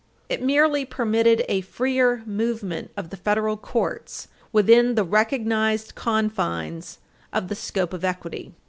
It merely permitted a freer movement of the federal courts within the recognized confines of the scope of equity.